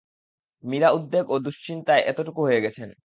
মীরা উদ্বেগ ও দুশ্চিন্তায় এতটুকু হয়ে গেছেন।